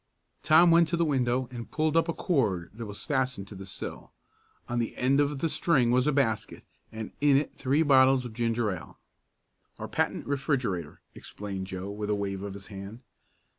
Tom went to the window and pulled up a cord that was fastened to the sill. On the end of the string was a basket, and in it three bottles of ginger ale. "Our patent refrigerator," explained Joe, with a wave of his hand.